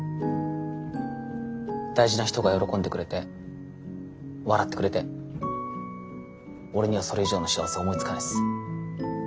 大事な人が喜んでくれて笑ってくれて俺にはそれ以上の幸せ思いつかないっす。